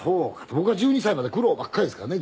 僕は１２歳まで苦労ばっかりですからね。